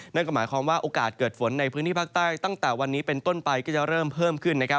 นั่นก็หมายความว่าโอกาสเกิดฝนในพื้นที่ภาคใต้ตั้งแต่วันนี้เป็นต้นไปก็จะเริ่มเพิ่มขึ้น